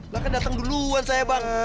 lah kan datang duluan saya bang